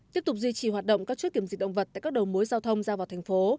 tiếp tục duy trì hoạt động các chốt kiểm dịch động vật tại các đầu mối giao thông ra vào thành phố